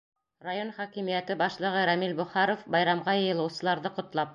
Район хакимиәте башлығы Рәмил Бохаров, байрамға йыйылыусыларҙы ҡотлап: